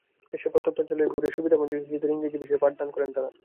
দেশের প্রত্যন্ত অঞ্চলে ঘুরে সুবিধাবঞ্চিত শিশুদের ইংরেজি বিষয়ে পাঠদান করেন তাঁরা।